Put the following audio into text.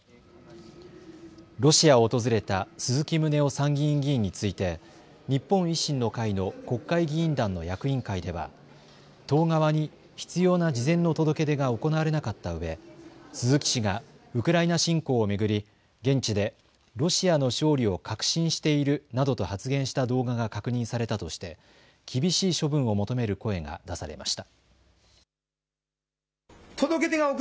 ロシアを訪れた鈴木宗男参議院議員について日本維新の会の国会議員団の役員会では党側に必要な事前の届け出が行われなかったうえ、鈴木氏がウクライナ侵攻を巡り、現地でロシアの勝利を確信しているなどと発言した動画が確認されたとして厳しい処分を求める声が出されました。